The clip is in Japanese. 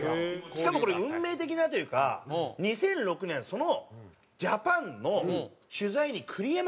しかもこれ運命的なというか２００６年そのジャパンの取材に栗山監督も行ってるんですよ。